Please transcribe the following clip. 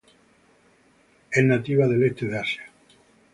Es nativa del este de Asia.